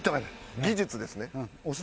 技術ですね。